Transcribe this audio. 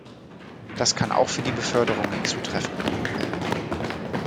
Das kann auch für die Beförderungen zutreffen.